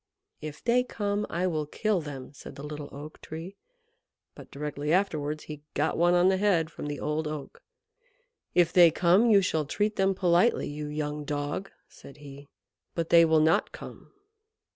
"If they come, I will kill them," said the Little Oak Tree, but directly afterwards he got one on the head from the Old Oak. "If they come, you shall treat them politely, you young dog," said he. "But they will not come."